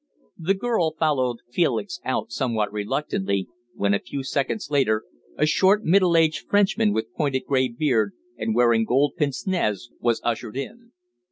The girl followed Felix out somewhat reluctantly, when, a few seconds later, a short, middle aged Frenchman, with pointed grey beard and wearing gold pince nez, was ushered in.